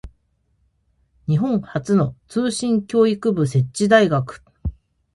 日本初の通信教育部設置大学